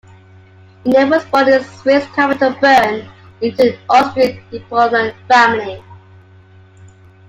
Einem was born in the Swiss capital Bern into an Austrian diplomat family.